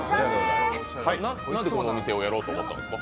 なんでこんな店をやろうと思ったんですか？